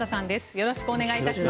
よろしくお願いします。